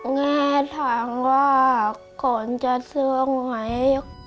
แม่ถามว่าก่อนจะซ่วงไหม